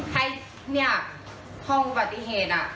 ให้ห้องบัตติเหตุ